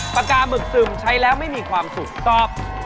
ปากกาหมึกซึมใช้แล้วไม่มีความสุขตอบ